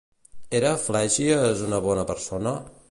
Era Flègies una bona persona?